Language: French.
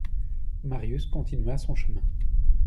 Marius continua son chemin.